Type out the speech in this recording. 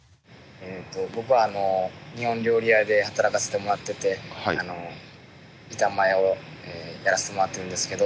僕は日本料理屋で働かせてもらってて板前をやらせてもらってるんですけど。